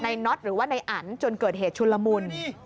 น็อตหรือว่าในอันจนเกิดเหตุชุนละมุน